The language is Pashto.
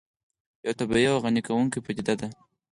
یو طبیعي او غني کوونکې پدیده ده